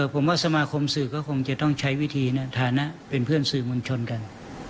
ผมว่าสมาคมสื่อก็คงจะต้องใช้วิธีในฐานะเป็นเพื่อนสื่อมวลชนกัน